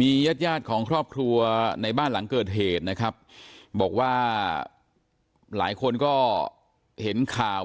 มีญาติญาติของครอบครัวในบ้านหลังเกิดเหตุนะครับบอกว่าหลายคนก็เห็นข่าว